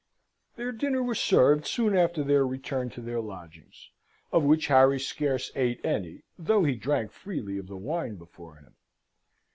Their dinner was served soon after their return to their lodgings, of which Harry scarce ate any, though he drank freely of the wine before him.